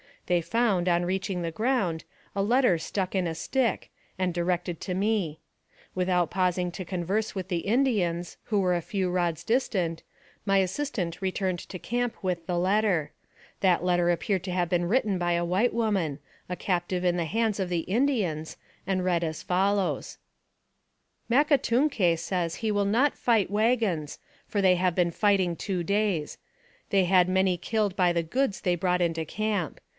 They found, on reaching the ground, a letter stuck in a stick, and directed to me. Without pausing to converse with the Indians, who were a few rods distant, my assistant returned to camp with the letter. That letter appeared to have been written by a white woman, a captive in the hands of the Indians, and read as follows: " Makatunke says he will not fight wagons, for they have been fighting two days. They had many killed by the goods they brought into camp.